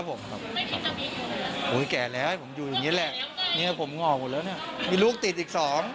ผุมโง่หมดแล้วนะนี้มีลูกติดอีกสอง